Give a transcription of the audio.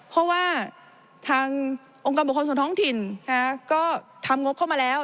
เพราะว่าทางองค์กรบุคคลส่วนท้องถิ่นก็ทำงบเข้ามาแล้ว